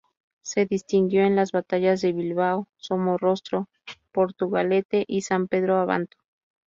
Se distinguió en las batallas de Bilbao, Somorrostro, Portugalete y San Pedro Abanto.